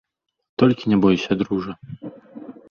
Толькі не бойся, дружа.